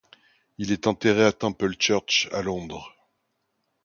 Il est enterré à Temple Church, à Londres.